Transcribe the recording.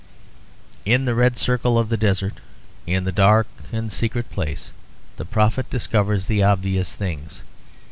In the red circle of the desert, in the dark and secret place, the prophet discovers the obvious things.